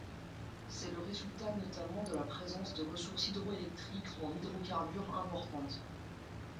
C'est le résultat notamment de la présence de ressources hydroélectriques ou en hydrocarbures importantes.